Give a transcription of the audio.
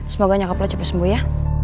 semoga nyokap lo cepet sembuh ya